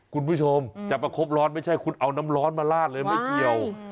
คุณผู้ชมจะประคบร้อนไม่ใช่คุณเอาน้ำร้อนมาลาดเลยไม่เกี่ยว